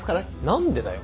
何でだよ